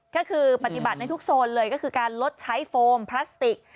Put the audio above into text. ก็คือปฏิบัติในทุกโซนเลยก็คือการลดใช้โฟมพลาสติก